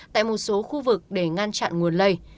tại một số khu vực để ngăn chặn nguồn lây